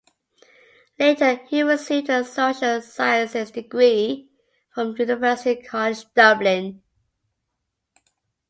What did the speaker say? Later he received a social sciences degree from University College Dublin.